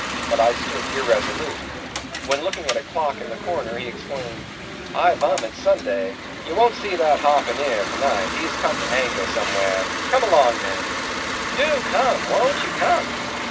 But I stood irresolute; when looking at a clock in the corner, he exclaimed "I vum it's Sunday—you won't see that harpooneer to night; he's come to anchor somewhere—come along then; do come; won't ye come?"